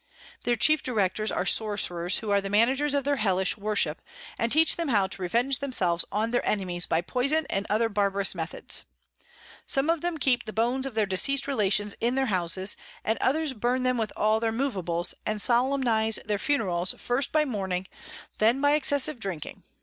Their chief Directors are Sorcerers, who are the Managers of their hellish Worship, and teach them how to revenge themselves on their Enemies by Poison and other barbarous methods. Some of them keep the Bones of their deceas'd Relations in their Houses; and others burn them with all their Movables, and solemnize their Funerals first by mourning, and then by excessive drinking.